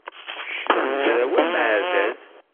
Kečč d amezraw ameɛdaz.